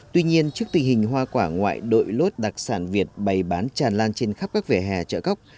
tuy nhiên trước tình hình hoa quả ngoại đội lốt đặc sản việt bày bán tràn lan trên khắp các vỉa hè chợ góc